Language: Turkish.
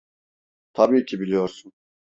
Tabii ki biliyorsun.